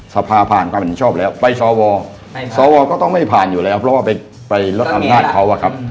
สภาผ่านความเห็นชอบแล้วไปสวสวก็ต้องไม่ผ่านอยู่แล้วเพราะว่าไปลดอำนาจเขาอะครับ